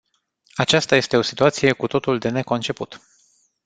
Aceasta este o situație cu totul de neconceput.